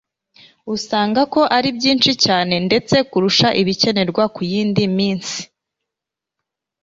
usanga ko ari byinshi cyane ndetse kurusha ibikenerwa ku yindi minsi.